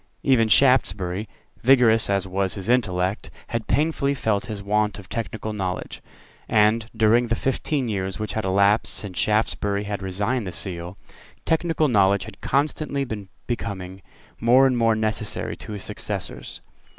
Even Shaftesbury, vigorous as was his intellect, had painfully felt his want of technical knowledge; and, during the fifteen years which had elapsed since Shaftesbury had resigned the Seal, technical knowledge had constantly been becoming more and more necessary to his successors.